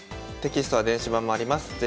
テキストは電子版もあります。